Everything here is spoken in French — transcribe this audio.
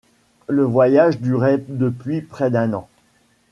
Le voyage durait depuis près d’un an.